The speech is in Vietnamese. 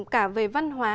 cả về văn hóa